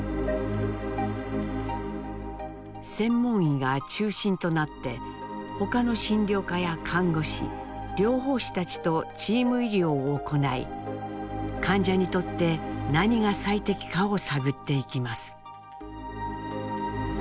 専門医が中心となって他の診療科や看護師療法士たちとチーム医療を行い患者にとって何が最適かを探っていきます。